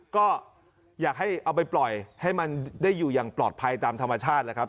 ก็อยากให้เอาไปปล่อยให้มันได้อยู่อย่างปลอดภัยตามธรรมชาติแล้วครับ